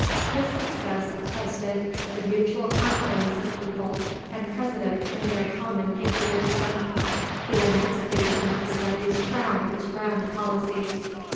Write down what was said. His success attested the mutual confidence of people and President in their common patriotism. The emancipation of the slaves crowned his grand policy."